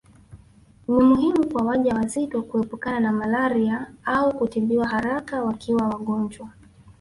Ni muhimu kwa wajawazito kuepukana na malaria au kutibiwa haraka wakiwa wagonjwa